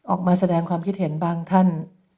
ออกมาแสดงความคิดเห็นบางท่าน